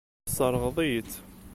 Tesseṛɣeḍ-iyi-tt.